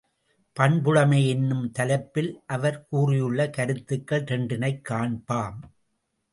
பண்புடைமை என்னும் தலைப்பில் அவர் கூறியுள்ள கருத்துகள் இரண்டினைக் காண்பாம்.